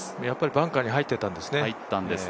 やっぱりバンカーに入ってたんですね。